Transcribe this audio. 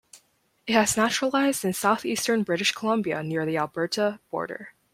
It has naturalized in southeastern British Columbia near the Alberta border.